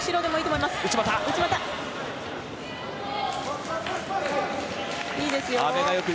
いいですよ。